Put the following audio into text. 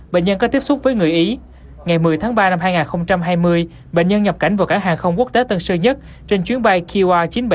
bệnh nhân nhập cảnh vào cảng hàng không quốc tế tân sơ nhất trên chuyến bay qr chín trăm bảy mươi